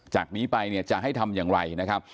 จากนี้ไปเนี่ยจะให้ทำอย่างไรนะครับ